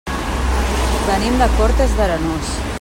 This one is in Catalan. Venim de Cortes d'Arenós.